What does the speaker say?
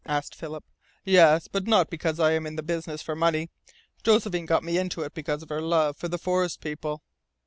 asked Philip. "Yes. But not because I am in the business for money. Josephine got me into it because of her love for the forest people."